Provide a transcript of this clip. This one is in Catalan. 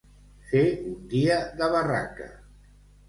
Fer un dia de barraca.